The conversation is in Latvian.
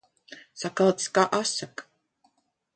Sakaltis kā asaka.